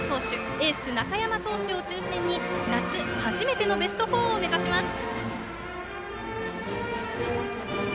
エース中山投手を中心に夏初めてのベスト４を目指します。